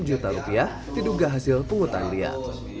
setelah itu dipercaya diduga hasil penghutan liar